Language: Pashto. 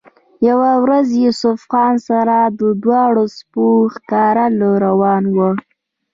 يوه ورځ يوسف خان سره د دواړو سپو ښکار له روان وۀ